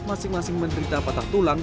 masing masing menderita patah tulang